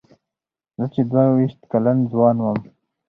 زه چې دوه وېشت کلن ځوان وم.